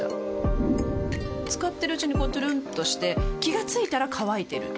使ってるうちにこうトゥルンとして気が付いたら乾いてる